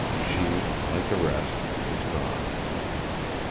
She, Like the Rest, Is Gone.